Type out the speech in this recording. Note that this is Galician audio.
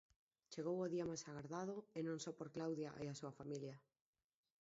Chegou o día máis agardado, e non só por Claudia e a súa familia.